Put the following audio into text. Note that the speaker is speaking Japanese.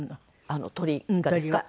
あの鳥がですか？